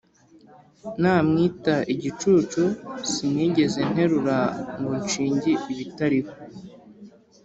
Namwita igicucu Sinigeze nterura Ngo nshinge ibitariho;